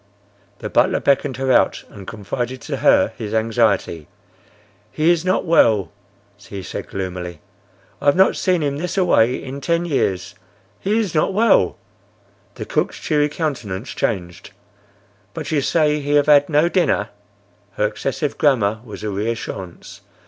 The butler beckoned her out and confided to her his anxiety. "He is not well," he said gloomily. "I have not see him this a way in ten years. He is not well." The cook's cheery countenance changed. "But you say he have had no dinner." Her excessive grammar was a reassurance.